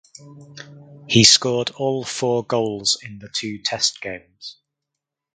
He scored all four goals in the two test games.